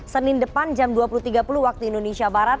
senin depan jam dua puluh tiga puluh waktu indonesia barat